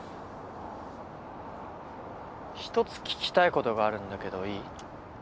一つ聞きたいことがあるんだけどいい？